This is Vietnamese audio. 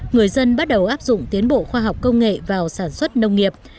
người dân bắt đầu áp dụng tiến bộ khoa học công nghệ vào sản xuất nông nghiệp